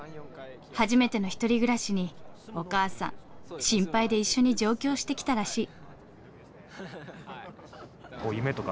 初めての１人暮らしにお母さん心配で一緒に上京してきたらしい。